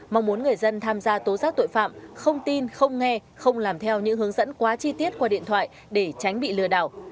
mong muốn người dân tham gia tố giác tội phạm không tin không nghe không làm theo những hướng dẫn quá chi tiết qua điện thoại để tránh bị lừa đảo